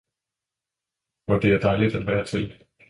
Hvor det er dejligt at være til!